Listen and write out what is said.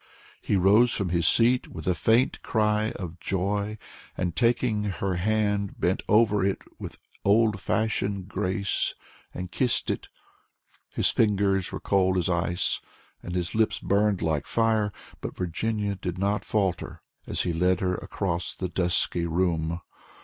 He rose from his seat with a faint cry of joy, and taking her hand bent over it with old fashioned grace and kissed it. His fingers were as cold as ice, and his lips burned like fire, but Virginia did not falter, as he led her across the dusky room.